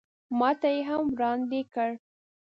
ماته یې هم وړاندې کړ.